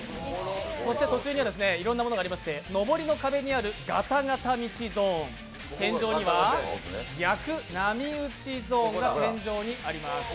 そして途中にはいろんなものがありまして上りの壁にあるがたがた道ゾーン天井には逆波打ちゾーンがあります。